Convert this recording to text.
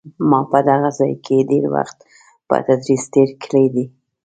ما په دغه ځای کې ډېر وخت په تدریس تېر کړی دی.